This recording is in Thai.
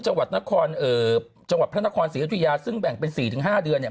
จังหวัดพระนครศรีรถุยาซึ่งแบ่งเป็น๔๕เดือนเนี่ย